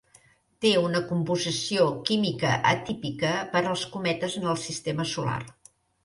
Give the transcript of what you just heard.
Té una composició química atípica per als cometes en el sistema solar.